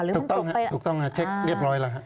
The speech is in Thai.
หรือมันจบไปแล้วอถูกต้องครับเช็คเรียบร้อยแล้ว